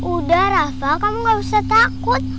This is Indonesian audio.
udah rafa kamu gak usah takut